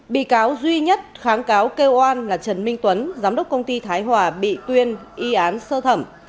bị cáo duy nhất kháng cáo kêu oan là trần minh tuấn giám đốc công ty thái hòa bị tuyên y án sơ thẩm